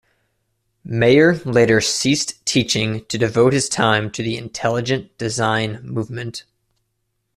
Meyer later ceased teaching to devote his time to the intelligent design movement.